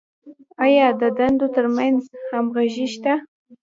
آیا د دندو تر منځ همغږي شته؟